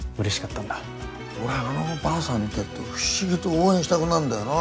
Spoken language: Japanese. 俺はあのばあさん見てると不思議と応援したくなるんだよな。